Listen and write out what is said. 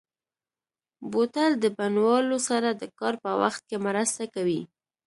بوتل د بڼوالو سره د کار په وخت کې مرسته کوي.